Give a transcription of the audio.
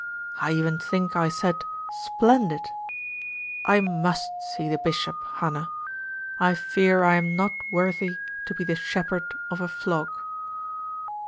I even think I said 'Splendid !' I must see the bishop, Hannah. I fear I am not worthy to be the shepherd of a flock."